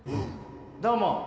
どうも。